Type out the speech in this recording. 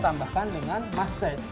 kita tambahkan dengan mustard